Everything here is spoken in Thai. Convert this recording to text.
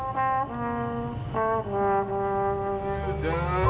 เพลงที่๑๐ทรงโปรด